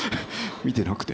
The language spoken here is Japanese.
見てなくて。